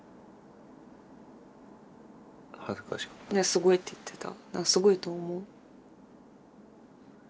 すごいって言ってた。